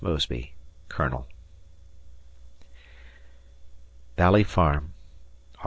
Mosby, Colonel. Valley Farm, Aug.